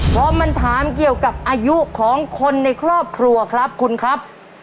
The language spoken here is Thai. พอมันถามเกี่ยวกับอายุของคนในครอบครัวครับคุณครับ